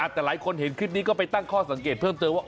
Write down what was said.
แต่หลายคนเห็นคลิปนี้ก็ไปตั้งข้อสังเกตเพิ่มเติมว่า